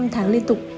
năm tháng liên tục